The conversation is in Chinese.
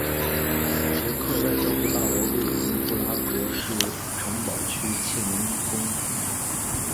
捷克外交部大楼位于布拉格市城堡区切宁宫。